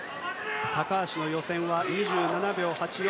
高橋の予選は２７秒８４。